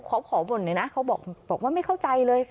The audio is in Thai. เขาขอบ่นเลยนะเขาบอกว่าไม่เข้าใจเลย